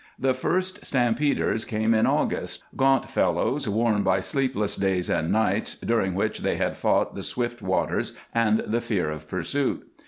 The first stampeders came in August; gaunt fellows worn by sleepless days and nights during which they had fought the swift waters and the fear of pursuit.